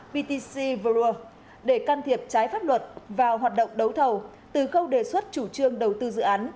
btc verur để can thiệp trái pháp luật vào hoạt động đấu thầu từ câu đề xuất chủ trương đầu tư dự án